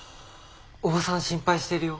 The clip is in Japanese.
伯母さん心配してるよ。